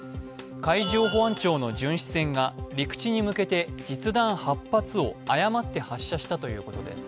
海上保安庁の巡視船が陸地に向けて実弾８発を誤って発射したということです。